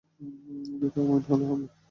দুইটা ওয়াইন হলেই হবে।